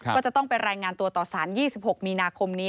ก็จะต้องไปรายงานตัวต่อสาร๒๖มีนาคมนี้